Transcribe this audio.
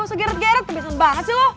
gak usah geret geret kebiasaan banget sih lo